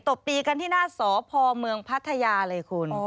บตีกันที่หน้าสพเมืองพัทยาเลยคุณ